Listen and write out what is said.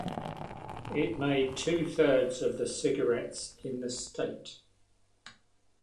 It made two-thirds of the cigarettes in the state.